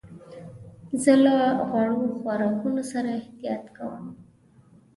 زه له غوړو خوراکونو سره احتياط کوم.